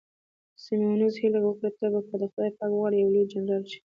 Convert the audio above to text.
سیمونز هیله وکړه، ته به که خدای پاک وغواړي یو لوی جنرال شې.